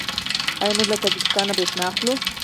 آیا موږ له تاجکستان بریښنا اخلو؟